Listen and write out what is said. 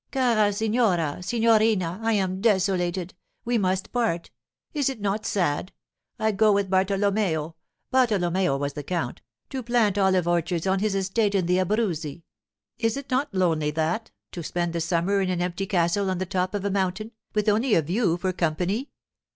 'Cara signora, signorina, I am desolated! We must part! Is it not sad? I go with Bartolomeo' (Bartolomeo was the count) 'to plant olive orchards on his estate in the Abruzzi. Is it not lonely, that—to spend the summer in an empty castle on the top of a mountain, with only a view for company?